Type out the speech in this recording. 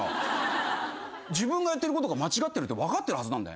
自分がやってることが間違ってるって分かってるはず。